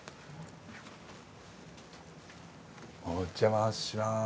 お邪魔します。